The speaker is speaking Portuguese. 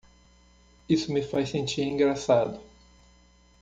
Isso me faz sentir engraçado.